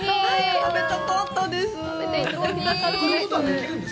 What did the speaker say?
食べたかったです！